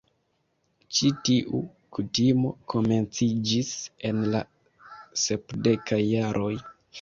Ĉi-tiu kutimo komenciĝis en la sepdekaj jaroj.